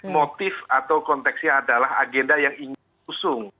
motif atau konteksnya adalah agenda yang ingin diusung